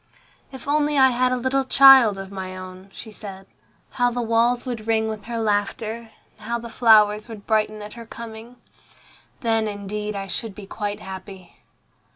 "If only I had a little child of my own," she said, "how the walls would ring with her laughter, and how the flowers would brighten at her coming. Then, indeed, I should be quite happy."